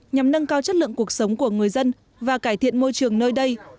nhằm nâng cao chất lượng cuộc sống của người dân và cải thiện môi trường nơi đây